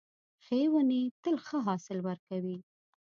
ښې ونې تل ښه حاصل ورکوي .